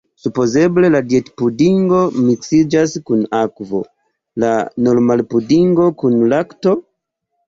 Supozeble la dietpudingo miksiĝas kun akvo, la normalpudingo kun lakto?